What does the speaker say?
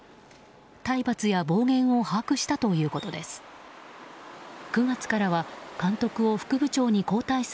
体罰や暴言を把握したということです。